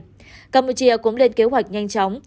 bộ y tế campuchia cũng lên kế hoạch nhanh chóng